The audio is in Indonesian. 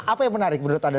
apa yang menarik menurut anda